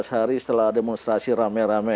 empat belas hari setelah demonstrasi rame rame